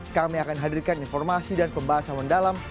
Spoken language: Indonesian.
kami akan hadirkan informasi dan pembahasan mendalam